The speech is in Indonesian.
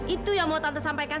itu yang mau tante sampaikan